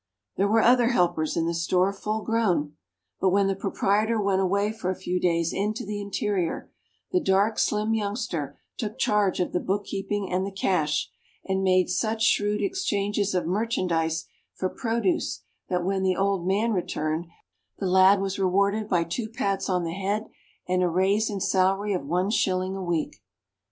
There were other helpers in the store, full grown; but when the proprietor went away for a few days into the interior, the dark, slim youngster took charge of the bookkeeping and the cash; and made such shrewd exchanges of merchandise for produce that when the "Old Man" returned, the lad was rewarded by two pats on the head and a raise in salary of one shilling a week.